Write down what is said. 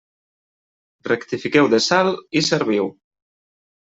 Rectifiqueu de sal i serviu.